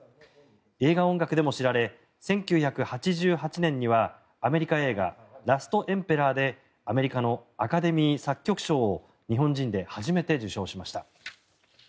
映画音楽でも知られ１９８８年にはアメリカ映画「ラストエンペラー」でアメリカのアカデミー作曲賞を日本人で初めて受賞しました。